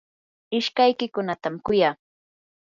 ishkaykiykunatam kuyaa.